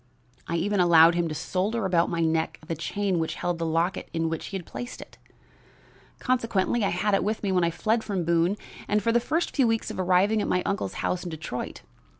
I even allowed him to solder about my neck the chain which held the locket in which he had placed it. Consequently I had it with me when I fled from Boone, and for the first few weeks after arriving at my uncle's house in Detroit.